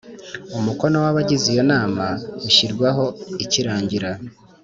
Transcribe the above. umukono w’ abagize iyo inama ushyirwaho ikirangira